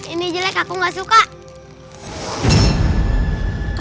ini jelek aku gak suka